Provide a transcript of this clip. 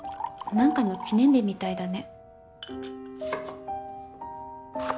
なんかの記念日みたいだね。